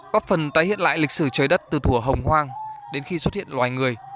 có phần tái hiện lại lịch sử trời đất từ thủa hồng hoang đến khi xuất hiện loài người